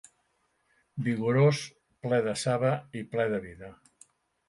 Vigorós ple de saba i ple de vida